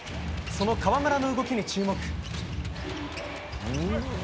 その河村の動きに注目。